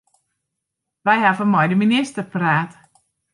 Wy hawwe mei de minister praat.